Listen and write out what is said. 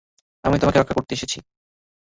আমি তোমাকে রক্ষা করতে এসেছি!